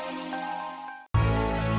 iya kak burger